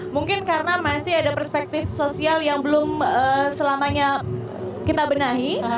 mungkin karena masih ada perspektif sosial yang belum selamanya kita benahi